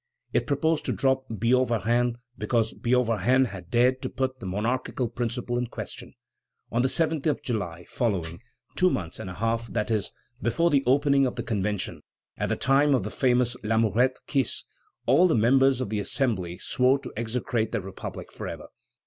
It proposed to drop Billaud Varennes, because Billaud Varennes had dared to put the monarchical principle in question. On the 7th of July following, two months and a half, that is, before the opening of the Convention, at the time of the famous Lamourette Kiss, all the members of the Assembly swore to execrate the Republic forever.